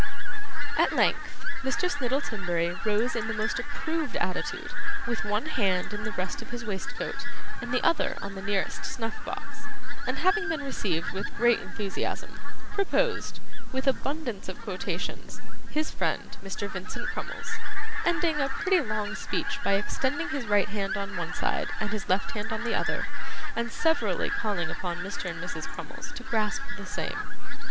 At length Mr. Snittle Timberry rose in the most approved attitude, with one hand in the breast of his waistcoat and the other on the nearest snuff box, and having been received with great enthusiasm, proposed, with abundance of quotations, his friend Mr. Vincent Crummles: ending a pretty long speech by extending his right hand on one side and his left on the other, and severally calling upon Mr. and Mrs. Crummles to grasp the same.